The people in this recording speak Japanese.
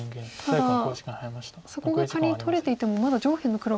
ただそこが仮に取れていてもまだ上辺の黒が。